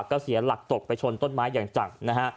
ก็เสียหลักตกไปชนต้นไม้อย่างจังนะฮะ